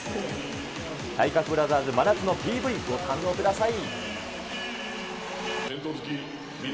体格ブラザーズ、真夏のＰＶ、ご堪能ください。